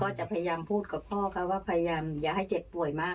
จะพยายามพูดกับพ่อเขาว่าพยายามอย่าให้เจ็บป่วยมาก